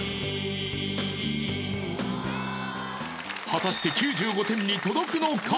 果たして９５点に届くのか！？